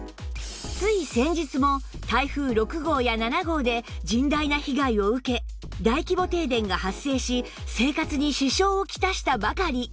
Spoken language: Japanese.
つい先日も台風６号や７号で甚大な被害を受け大規模停電が発生し生活に支障を来したばかり